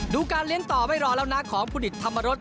การเลี้ยงต่อไม่รอแล้วนะของผู้ดิตธรรมรส